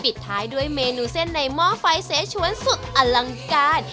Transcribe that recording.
ปิดท้ายด้วยเมนูเส้นในหม้อไฟเสชวนสุดอลังการ